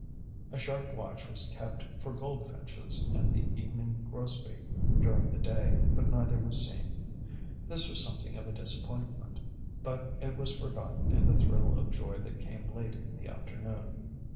A sharp watch was kept for goldfinches and the evening grosbeak during the day, but neither was seen. This was something of a disappointment. But it was forgotten in the thrill of joy that came late in the afternoon.